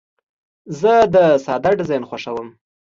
زه د ساده ډیزاین خوښوم.